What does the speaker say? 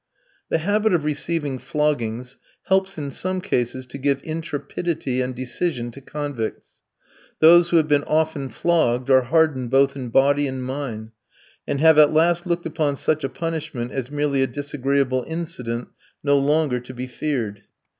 The habit of receiving floggings helps in some cases to give intrepidity and decision to convicts. Those who have been often flogged, are hardened both in body and mind, and have at last looked upon such a punishment as merely a disagreeable incident no longer to be feared.